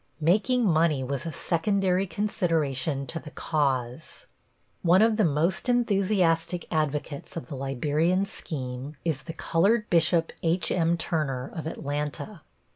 Making money was a secondary consideration to "the cause." One of the most enthusiastic advocates of the Liberian scheme is the colored Bishop H.M. Turner, of Atlanta.